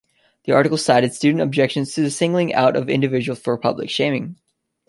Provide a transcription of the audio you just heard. The article cited student objections to the singling out of individuals for public shaming.